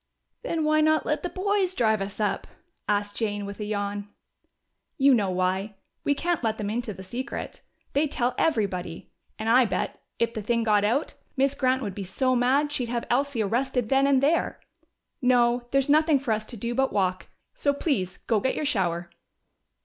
"Then why not let the boys drive us up?" asked Jane, with a yawn. "You know why. We can't let them into the secret: they'd tell everybody. And I bet, if the thing got out, Miss Grant would be so mad she'd have Elsie arrested then and there. No, there's nothing for us to do but walk.... So please go get your shower."